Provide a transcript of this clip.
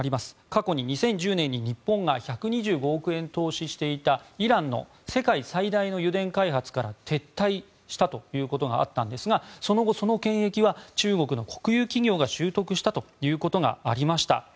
過去に２０１０年に日本が１２５億円投資していたイランの世界最大の油田開発から撤退したということがあったんですがその後、その権益は中国の国有企業が取得したということがありました。